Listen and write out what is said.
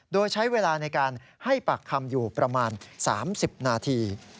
โดยใช้เวลาในการให้ปากคำอยู่ประมาณ๓๐นาที